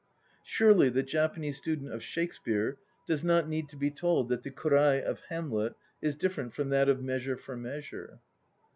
Surely the Japanese student of Shakespeare does not need to be told that the kurai of "Hamlet" is different from that of "Measure for Measure"?